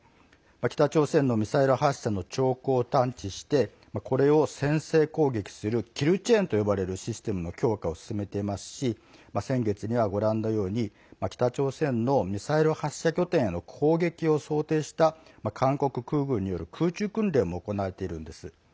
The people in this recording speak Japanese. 北朝鮮のミサイル発射の兆候を探知してこれを先制攻撃するキルチェーンと呼ばれるシステムの強化を進めていますし先月には北朝鮮のミサイル発射拠点への攻撃を想定した韓国空軍による空中訓練も行われているんです。